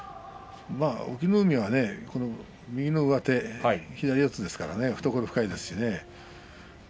隠岐の海は右の上手左四つですから懐が深いですしね。